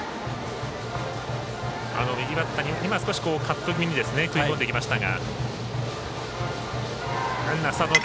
右バッターに今、少しカット気味に食い込んでいきましたが。